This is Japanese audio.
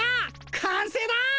かんせいだ。